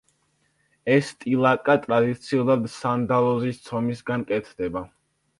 ეს ტილაკა, ტრადიციულად, სანდალოზის ცომისგან კეთდება.